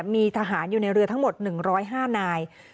มีทหารอยู่ในเรือทั้งหมด๑๐๕นาย